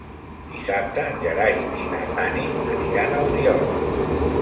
Dissabte en Gerai i na Tanit aniran a Oliola.